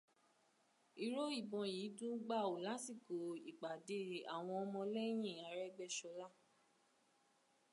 Ìró ìbọn yìí dún gbàù lásìkò ìpàdé àwọ ọmọlẹ́yìn Arẹ́gbẹ́ṣọlá